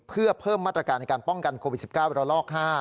เพื่อเพิ่มมาตรการในการป้องกันโควิด๑๙ระลอก๕